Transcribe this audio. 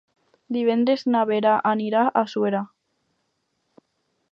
Divendres na Vera anirà a Suera.